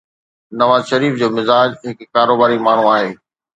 نواز شريف جو مزاج هڪ ڪاروباري ماڻهو آهي.